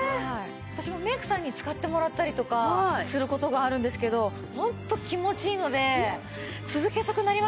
私もメイクさんに使ってもらったりとかする事があるんですけどホント気持ちいいので続けたくなりますよね。